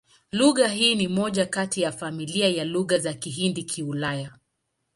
Lugha hii ni moja kati ya familia ya Lugha za Kihindi-Kiulaya.